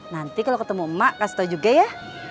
nanti kalau ketemu emak kasih tau juga ya